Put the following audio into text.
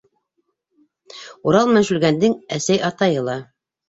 Урал менән Шүлгәндең әсәй-атайы ла